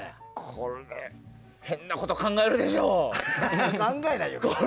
これ、変なこと考えるでしょ。